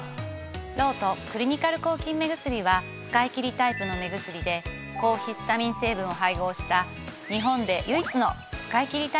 ロートクリニカル抗菌目薬は使いきりタイプの目薬で抗ヒスタミン成分を配合した日本で唯一の使いきりタイプの抗菌目薬なんです。